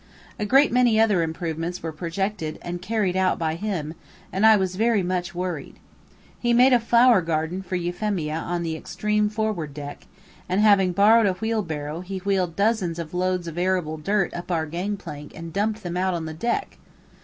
A great many other improvements were projected and carried out by him, and I was very much worried. He made a flower garden for Euphemia on the extreme forward deck, and having borrowed a wheelbarrow, he wheeled dozens of loads of arable dirt up our gang plank and dumped them out on the deck.